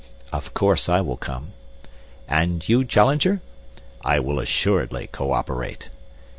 "Of course I will come." "And you, Challenger?" "I will assuredly co operate."